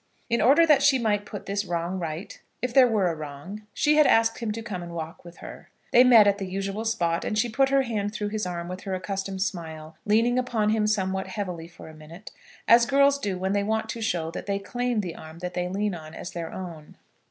In order that she might put this wrong right, if there were a wrong, she had asked him to come and walk with her. They met at the usual spot, and she put her hand through his arm with her accustomed smile, leaning upon him somewhat heavily for a minute, as girls do when they want to show that they claim the arm that they lean on as their own.